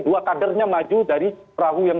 dua kadernya maju dari perahu yang